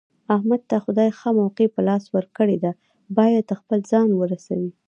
احمد ته خدای ښه موقع په لاس ورکړې ده، باید خپل ځان ورسوي.